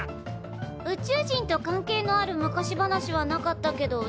宇宙人と関係のある昔話はなかったけどいいの？